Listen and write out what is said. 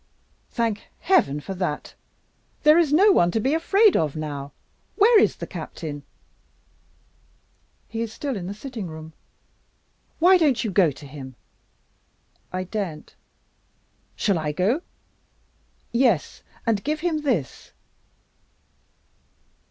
"Thank Heaven for that! There is no one to be afraid of now. Where is the Captain?" "He is still in the sitting room." "Why don't you go to him?" "I daren't!" "Shall I go?" "Yes and give him this."